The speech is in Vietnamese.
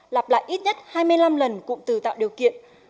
lặp lại ít nhất hai mươi năm lần cụm từ tạo điều kiện